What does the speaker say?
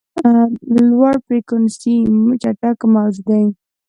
لوړ فریکونسي چټک موج دی.